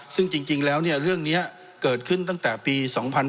ซึ่งจริงแล้วเรื่องนี้เกิดขึ้นตั้งแต่ปี๒๕๕๙